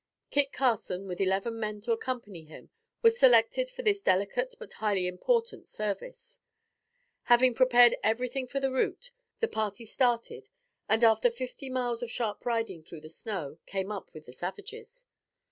Kit Carson with eleven men to accompany him was selected for this delicate but highly important service. Having prepared everything for the route, the party started and after fifty miles of sharp riding through the snow, came up with the savages.